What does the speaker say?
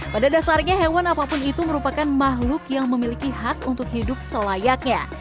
pada dasarnya hewan apapun itu merupakan makhluk yang memiliki hak untuk hidup selayaknya